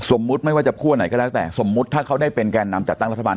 ไม่ว่าจะคั่วไหนก็แล้วแต่สมมุติถ้าเขาได้เป็นแก่นำจัดตั้งรัฐบาล